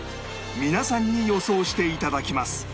皆さんに予想して頂きます